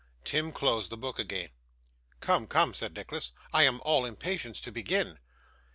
Tim closed the book again. 'Come, come,' said Nicholas, 'I am all impatience to begin.